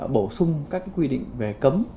bổ sung các quy định về cấm